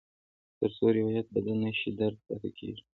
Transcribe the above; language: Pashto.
تر څو روایت بدل نه شي، درد پاتې کېږي.